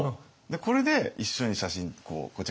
これで一緒に写真こちら